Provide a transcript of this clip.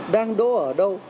đang đỗ ở đâu